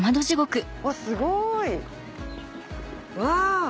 うわすごい！うわ！